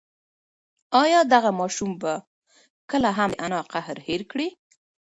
ایا دغه ماشوم به کله هم د انا قهر هېر کړي؟